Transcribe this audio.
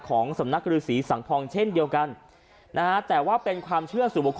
ของสำนักฤษีสังทองเช่นเดียวกันนะฮะแต่ว่าเป็นความเชื่อสู่บุคค